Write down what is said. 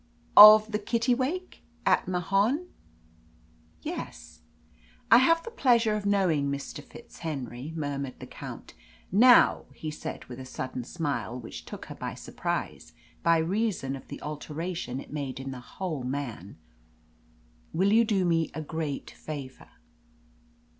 "Of the Kittiwake at Mahon?" "Yes." "I have the pleasure of knowing Mr. FitzHenry," murmured the Count. "Now," he said, with a sudden smile which took her by surprise by reason of the alteration it made in the whole man, "will you do me a great favour?"